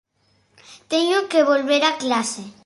Teño que volver a clase.